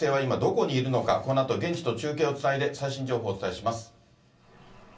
このあと、現地と中継をつないで、最新情報をお伝えします。